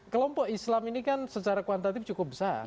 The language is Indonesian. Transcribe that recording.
kelompok islam ini kan secara kuantatif cukup besar